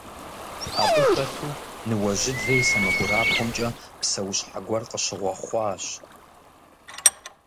Абы хэту Ныуэжьыдзэ и сэмэгурабгъумкӀэ псэущхьэ гуэр къыщыгъуэхъуащ.